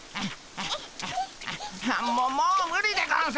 もうむりでゴンス！